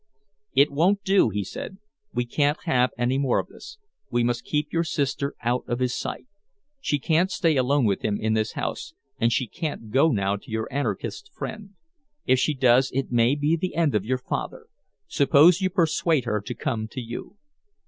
"It won't do," he said. "We can't have any more of this. We must keep your sister out of his sight. She can't stay alone with him in this house, and she can't go now to your anarchist friend. If she does it may be the end of your father. Suppose you persuade her to come to you."